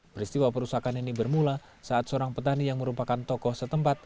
peristiwa perusakan ini bermula saat seorang petani yang merupakan tokoh setempat